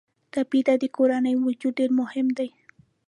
ټپي ته د کورنۍ وجود ډېر مهم دی.